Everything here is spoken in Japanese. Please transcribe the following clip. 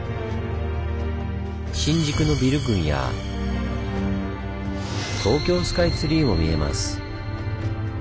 新宿のビル群や東京スカイツリーも見えます。